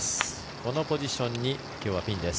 このポジションに今日はピンです。